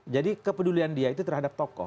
jadi kepedulian dia itu terhadap tokoh